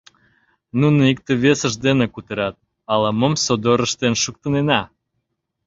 Нуно икте-весышт дене кутырат, ала-мом содор ыштен шуктынена.